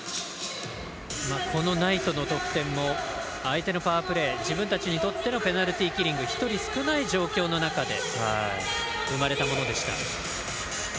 このナイトの得点も相手のパワープレー自分たちにとってのペナルティーキリング１人少ない状況の中で生まれたものでした。